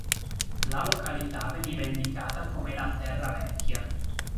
La località veniva indicata come la "Terra vecchia".